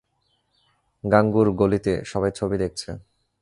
গাঙুর গলিতে সবাই ছবি দেখছে।